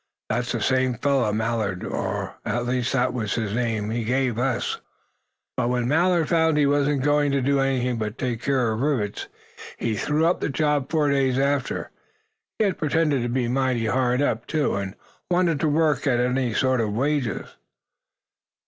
That's the same fellow Millard. Or, at least, that was the name he gave them. But, when Millard found he wasn't going to do anything but take care of rivets, he threw up the job four days after. He had pretended to be mighty hard up, too, and wanted work at any sort of wages."